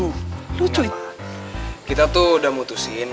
kita tuh udah mutusin